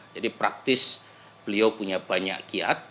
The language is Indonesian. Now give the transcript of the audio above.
jadi praktis beliau punya banyak kiat